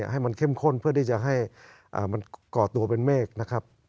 ให้เช่มข้นก่อตัวเป็นเมฆ